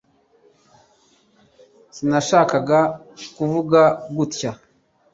sinashakaga kuvuga gutya